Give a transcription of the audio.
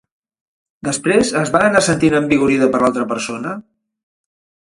Després es va anar sentint envigorida per l'altra persona?